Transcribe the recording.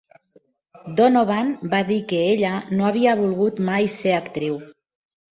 Donovan va dir que ella no havia volgut mai ser actriu.